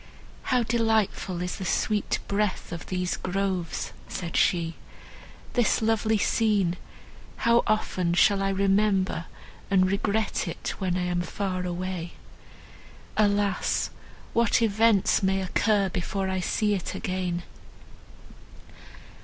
"How delightful is the sweet breath of these groves," said she. "This lovely scene!—how often shall I remember and regret it, when I am far away. Alas! what events may occur before I see it again!